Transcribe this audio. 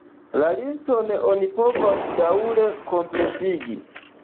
La liston oni povas daŭre kompletigi.